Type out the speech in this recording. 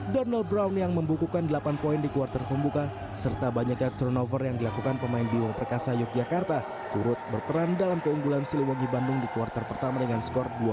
donald brown yang membukukan delapan poin di kuartal pembuka serta banyaknya turnover yang dilakukan pemain biwang perkasa yogyakarta turut berperan dalam keunggulan siliwangi bandung di kuartal pertama dengan skor dua puluh